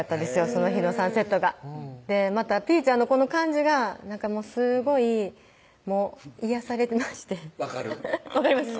その日のサンセットがまたぴーちゃんのこの感じがすごいもう癒やされまして分かる分かります？